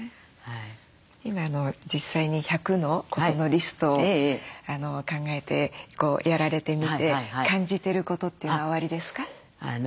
今実際に１００のことのリストを考えてやられてみて感じてることというのはおありですか？